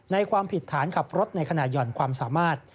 ความผิดฐานขับรถในขณะห่อนความสามารถ